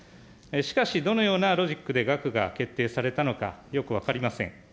しかしどのようなロジックで額が決定されたのかよく分かりません。